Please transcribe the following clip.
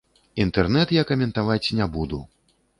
Інтэрнэт я каментаваць не буду.